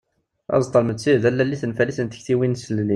Aẓeṭṭa anmetti d allal i tenfalit n tektiwin s tlelli.